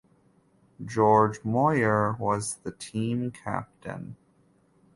George Moyer was the team captain.